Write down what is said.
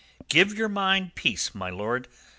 "Give your mind peace, my lord.